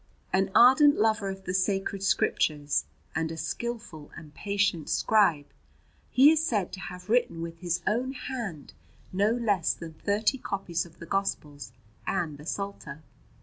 An ardent lover of the Sacred Scriptures, and a skilful and patient scribe, he is said to have written with his own hand no less than thirty copies of the Gospels and the Psalter.